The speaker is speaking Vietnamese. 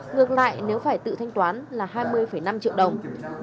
ngược lại nếu phải tự thanh toán là hai mươi năm triệu đồng